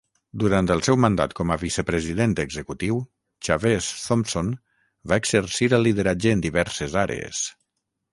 Durant el seu mandat com a vicepresident executiu, Chavez-Thompson va exercir el lideratge en diverses àrees.